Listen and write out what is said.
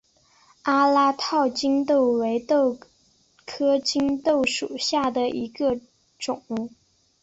阿拉套棘豆为豆科棘豆属下的一个种。